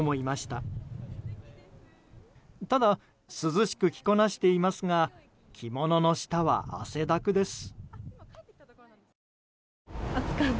ただ、涼しく着こなしていますが着物の下は汗だくです。